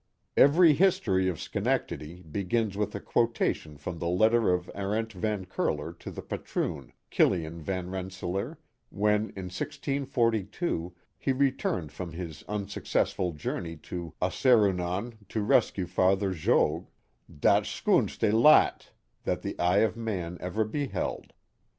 Every history of Schenectady begins with a quotation from the letter of Arent Van Curler to the Patroon, Killian Van Rensselaer, when, in 1642, he returned from his unsuccessful journey to Osseruenon to rescue Father Jogues: " dat Schoonste landt " that the eye of man ever beheld.